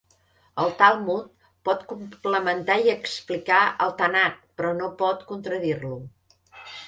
El Talmud pot complementar i explicar el Tanakh, però no pot contradir-lo.